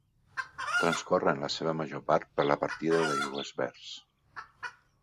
Transcorre en la seva major part per la Partida d'Aigüesverds.